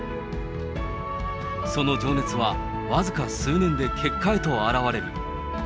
その情熱は僅か数年で結果へと表れる。